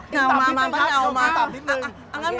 ปะเนามาตับนิดนึง